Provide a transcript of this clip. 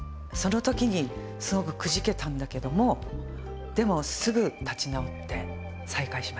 そのときにすごくくじけたんだけどもでもすぐ立ち直って再開しました。